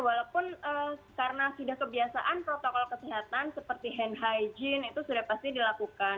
walaupun karena sudah kebiasaan protokol kesehatan seperti hand hygiene itu sudah pasti dilakukan